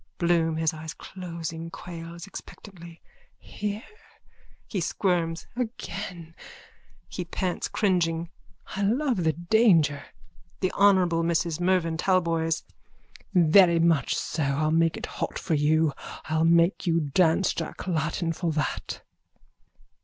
BLOOM: (His eyes closing, quails expectantly.) Here? (He squirms.) Again! (He pants cringing.) I love the danger. THE HONOURABLE MRS MERVYN TALBOYS: Very much so! I'll make it hot for you. I'll make you dance Jack Latten for that.